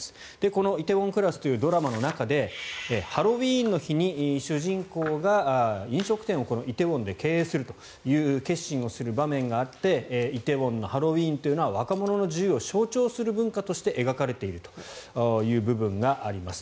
この「梨泰院クラス」というドラマの中でハロウィーンの日に主人公が飲食店を梨泰院で経営するという決心をする場面があって梨泰院のハロウィーンというのは若者の自由を象徴する文化として描かれているという部分があります。